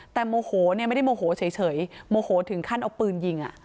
แต่โมโหเนี่ยไม่ได้โมโหเฉยโมโหถึงขั้นเอาปืนยิง